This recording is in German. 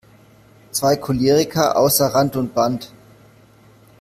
Zwei Choleriker außer Rand und Band!